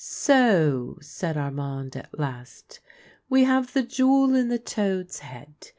" So," said Armand at last, " we have the jewel in the toad's head.